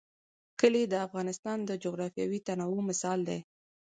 کلي د افغانستان د جغرافیوي تنوع مثال دی.